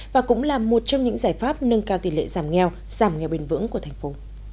và cũng là một trong những giải pháp nâng cao tỷ lệ giảm nghèo giảm nghèo bền vững của thành phố